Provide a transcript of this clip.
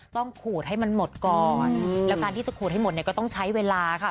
ขูดให้มันหมดก่อนแล้วการที่จะขูดให้หมดเนี่ยก็ต้องใช้เวลาค่ะ